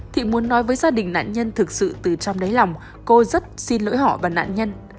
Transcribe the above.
thị muốn nói với gia đình nạn nhân thực sự từ trong đấy lòng cô rất xin lỗi họ và nạn nhân